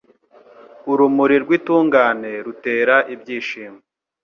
Urumuri rw’intungane rutera ibyishimo